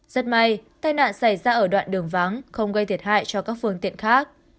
rất may tai nạn xảy ra ở đoạn đường vắng không gây thiệt hại cho các phương tiện khác